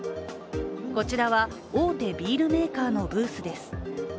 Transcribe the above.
こちらは大手ビールメーカーのブースです。